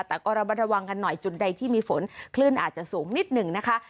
แต่ก็ระมัดระวังกันหน่อยจุดใดที่มีฝนคลื่นอาจจะสูงนิดหนึ่งนะคะ